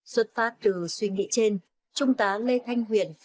xuất phát từ suy nghĩ trên trung tá lê thanh huyền